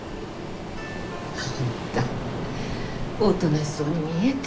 あんたおとなしそうに見えて。